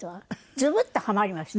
ズブッとハマりました。